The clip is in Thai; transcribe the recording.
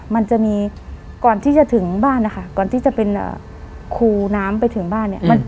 มันจะมีก่อนที่จะถึงบ้านนะคะก่อนที่จะเป็นคูน้ำไปถึงบ้านเนี่ย